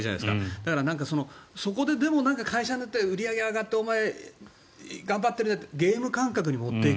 だから、そこででもなんか会社によっては売り上げが上がってお前、頑張ってるねってゲーム感覚に持っていく。